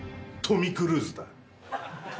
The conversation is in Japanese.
トミ・クルーズ。